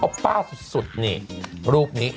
อ้อปป้าสุดนี่รูปนี้